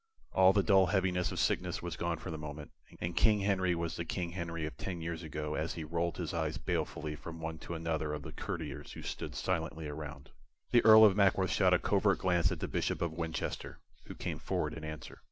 All the dull heaviness of sickness was gone for the moment, and King Henry was the King Henry of ten years ago as he rolled his eyes balefully from one to another of the courtiers who stood silently around. The Earl of Mackworth shot a covert glance at the Bishop of Winchester, who came forward in answer.